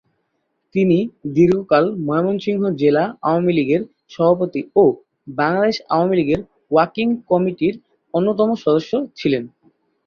তিনি দীর্ঘকাল ময়মনসিংহ জেলা আওয়ামী লীগের সভাপতি ও বাংলাদেশ আওয়ামী লীগের ওয়াকিং কমিটির অন্যতম সদস্য ছিলেন।